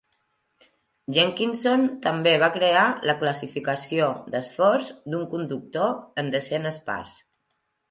Jenkinson també va crear la classificació d'esforç d'un conductor en "desenes parts".